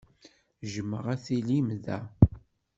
Jjmeɣ ad tilim da.